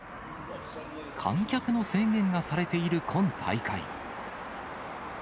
観客の制限がされている今大会。